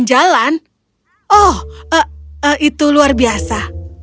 jalan oh itu luar biasa